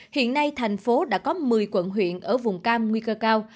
hiện nay thành phố đã có một mươi quận huyện ở vùng cam nguy cơ cao